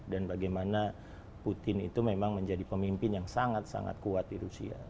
dan bagaimana putin itu memang menjadi pemimpin yang sangat sangat kuat di rusia